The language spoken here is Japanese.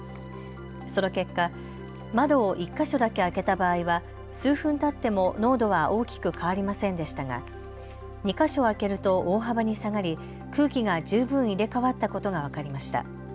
その結果、窓を１か所だけ開けた場合は数分たっても濃度は大きく変わりませんでしたが２か所開けると大幅に下がり空気が十分入れ代わったことが分かりました。